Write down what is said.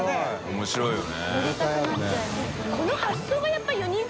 面白いね。